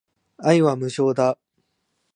愛は無償だ